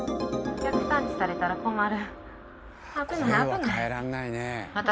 逆探知されたら困る。